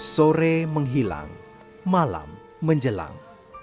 sore menghilang malam menjelang